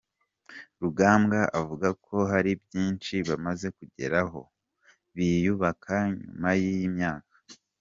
Rugambwa avuga ko hari byinshi bamaze kugeraho biyubaka nyuma y’iyi myaka.